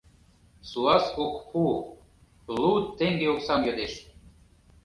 Суас ок пу, лу теҥге оксам йодеш.